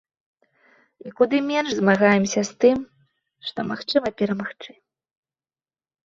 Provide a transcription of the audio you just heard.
І куды менш змагаемся з тым, што магчыма перамагчы.